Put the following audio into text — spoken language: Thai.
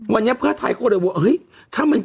วันนี้เพื่อไทยก็ได้บอกเฮ้ย